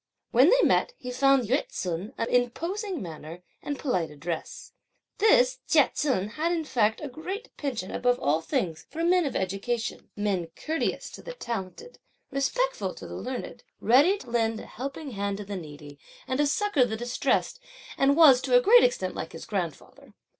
When they met, he found in Yü ts'un an imposing manner and polite address. This Chia Cheng had, in fact, a great penchant above all things for men of education, men courteous to the talented, respectful to the learned, ready to lend a helping hand to the needy and to succour the distressed, and was, to a great extent, like his grandfather.